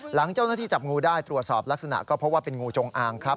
หลังเจ้าหน้าที่จับงูได้ตรวจสอบลักษณะก็พบว่าเป็นงูจงอางครับ